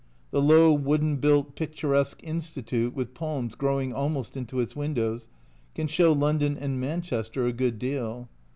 The low, wooden built, picturesque Institute, with palms growing almost into its windows, can show London and Manchester a good deal.